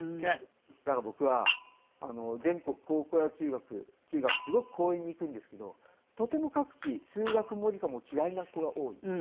だから僕は全国高校や中学すごく講演に行くんですけどとても各地数学も理科も嫌いな子が多い。